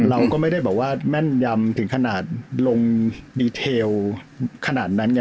เราก็ไม่ได้แบบว่าแม่นยำถึงขนาดลงดีเทลขนาดนั้นเนี่ย